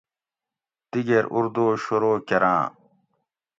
دِگیر اُردو شورو کۤراۤں